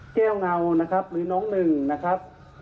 เงานะครับหรือน้องหนึ่งนะครับ